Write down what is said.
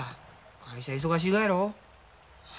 会社忙しいがやろ。